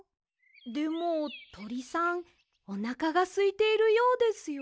でもとりさんおなかがすいているようですよ。